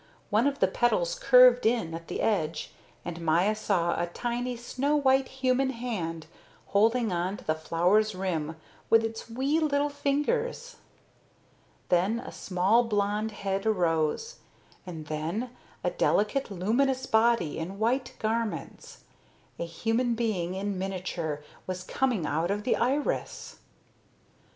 One of the petals curved in at the edge, and Maya saw a tiny snow white human hand holding on to the flower's rim with its wee little fingers. Then a small blond head arose, and then a delicate luminous body in white garments. A human being in miniature was coming up out of the iris.